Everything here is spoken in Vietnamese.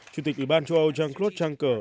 chủ tịch ủy ban châu âu jean claude juncker